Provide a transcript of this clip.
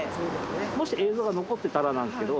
もし映像が残ってたらなんですけど。